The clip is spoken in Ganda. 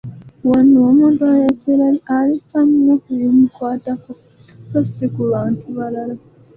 Wano omuntu essira alissa nnyo ku bimukwatako, so si ku bantu balala.